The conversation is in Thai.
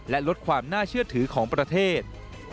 และลดความน่าเชื่อถือของประเทศ